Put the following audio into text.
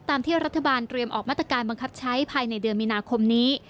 ตามที่รัฐบาลเตรียมออกมาตรการบังคับใช้ภายในเดือนมีนาคมนี้